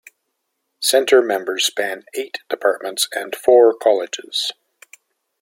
Center members span eight departments and four colleges.